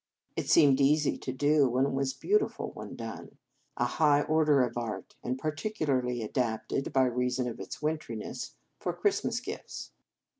It seemed easy 2 43 In Our Convent Days to do, and was beautiful when done, a high order of art, and particularly adapted, by reason of its wintriness, for Christmas gifts.